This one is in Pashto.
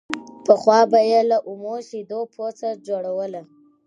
پخوا به يې له اومو شيدو پوڅه جوړوله